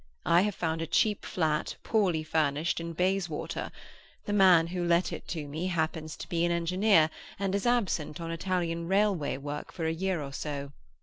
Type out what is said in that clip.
I have found a cheap flat, poorly furnished, in Bayswater; the man who let it to me happens to be an engineer, and is absent on Italian railway work for a year or so.